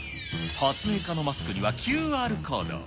発明家のマスクにはＱＲコード。